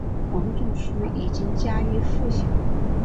王仲殊已经家喻户晓。